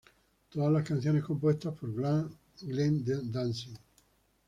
Todas las canciones compuestas por Glenn Danzig.